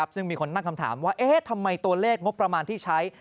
ซึ่งมีคนตั้งคำถามว่าทำไมตัวเลขงบประมาณที่ใช้